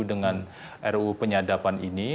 dengan ruu penyadapan ini